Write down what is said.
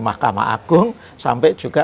mahkamah agung sampai juga